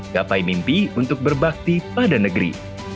gapai mimpi untuk berbakti pada negeri